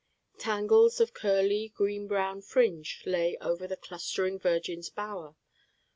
Tangles of curly, green brown fringe lay over the clustering Virgin's Bower.